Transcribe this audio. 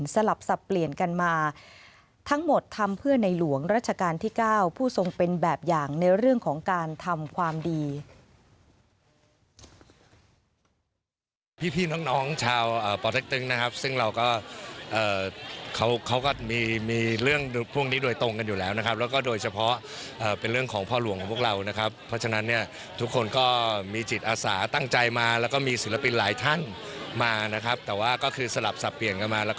สลับสับเปลี่ยนกันมาทั้งหมดทำเพื่อในหลวงรัชกาลที่๙ผู้ทรงเป็นแบบอย่างในเรื่องของการทำความดี